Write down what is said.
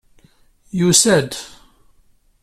Yusa-d?